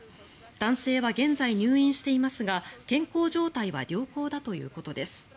男性は現在入院していますが健康状態は良好だということです。